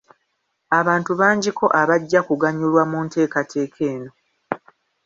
Abantu bangiko abajja kuganyulwa mu nteekateeka eno.